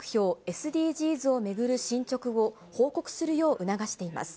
・ＳＤＧｓを巡る進捗を報告するよう促しています。